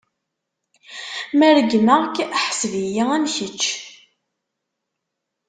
Ma regmeɣ-k, ḥseb-iyi am kečč.